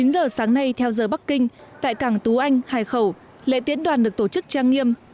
chín giờ sáng nay theo giờ bắc kinh tại cảng tú anh hải khẩu lễ tiễn đoàn được tổ chức trang nghiêm